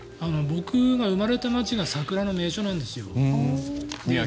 僕が生まれた町が桜の名所なんですよ。